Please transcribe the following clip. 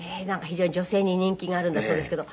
非常に女性に人気があるんだそうですけど。